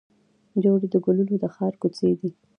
جوړې د ګلو د ښار کوڅې دي